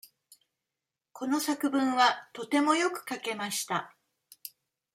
この作文はとてもよく書けました。